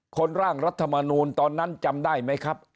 ร่างรัฐมนูลตอนนั้นจำได้ไหมครับ